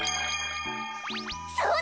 そうだ！